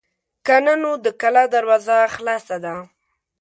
که نه نو د کلا دروازه خلاصه ده.